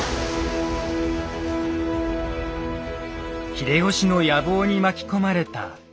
秀吉の野望に巻き込まれた家康。